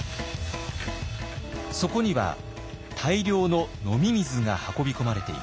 そこには大量の飲み水が運び込まれていました。